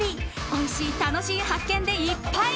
おいしい楽しい発見でいっぱい！